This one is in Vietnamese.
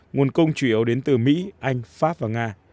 nguồn cung chủ yếu đến từ mỹ anh pháp và nga